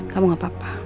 kamu gak apa apa